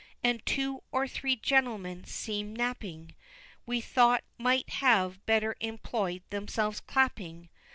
And two or three gentlemen seemingly napping, We thought might have better employed themselves clapping.